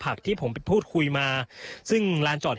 อันนี้คือเต็มร้อยเปอร์เซ็นต์แล้วนะครับ